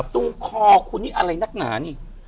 ตรงคอคุณนี่อะไรนักหนานี่